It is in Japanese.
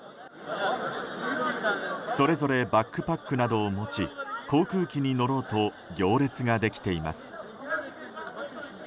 それぞれバックパックなどを持ち航空機に乗ろうと行列ができています。